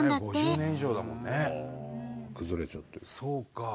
５０年以上だもんね。ああ崩れちゃってる。